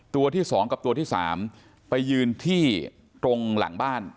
ตัวที่๒กับตัวที่๓ไปยืนที่ตรงหลังบ้าน